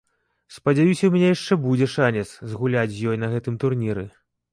Спадзяюся, у мяне яшчэ будзе шанец згуляць з ёй на гэтым турніры.